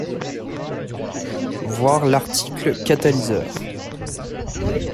Voir l'article Catalyseur.